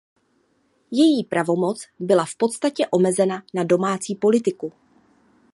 Její pravomoc byla v podstatě omezena na domácí politiku.